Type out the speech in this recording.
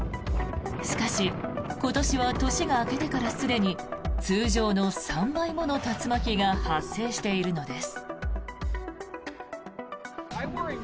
しかし、今年は年が明けてからすでに通常の３倍もの竜巻が発生しているのです。